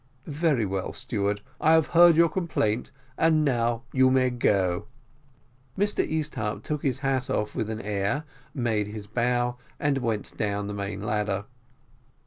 "Very well, steward, I have heard your complaint, and now you may go." Mr Easthupp took his hat off with an air, made his bow, and went down the main ladder.